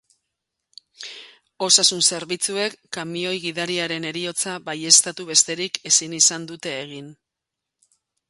Osasun-zerbitzuek kamioi-gidariaren heriotza baieztatu besteik ezin izan dute egin.